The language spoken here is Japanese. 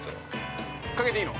◆かけていいの？